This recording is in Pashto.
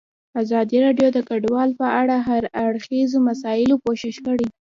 ازادي راډیو د کډوال په اړه د هر اړخیزو مسایلو پوښښ کړی.